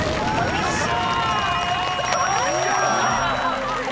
よっしゃ！